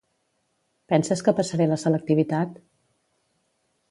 Penses que passaré la selectivitat?